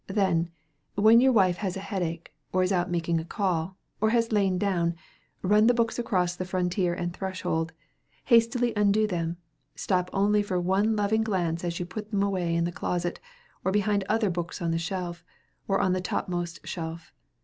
Then, when your wife has a headache, or is out making a call, or has lain down, run the books across the frontier and threshold, hastily undo them, stop only for one loving glance as you put them away in the closet, or behind other books on the shelf, or on the topmost shelf.